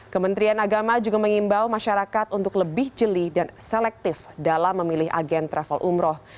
kementerian agama juga mengimbau masyarakat untuk lebih jeli dan selektif dalam memilih agen travel umroh